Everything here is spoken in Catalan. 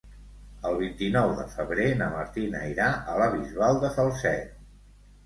El vint-i-nou de febrer na Martina irà a la Bisbal de Falset.